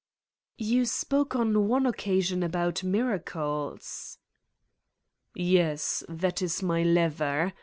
"You spoke on one occasion about miracles?" "Yes, that is my lever.